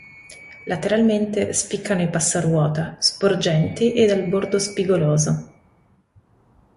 Lateralmente, spiccano i passaruota sporgenti e dal bordo spigoloso.